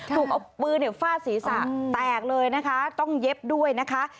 ถูกเอาปืนฟาดศีรษะแตกเลยนะคะต้องเย็บด้วยนะคะ